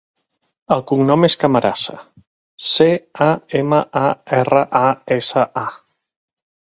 El cognom és Camarasa: ce, a, ema, a, erra, a, essa, a.